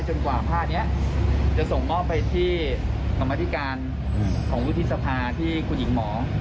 กว่าผ้านี้จะส่งมอบไปที่กรรมธิการของวุฒิสภาที่คุณหญิงหมอ